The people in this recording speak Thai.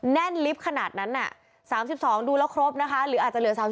แน่นลิฟต์ขนาดนั้น๓๒ดูแล้วครบนะคะหรืออาจจะเหลือ๓๒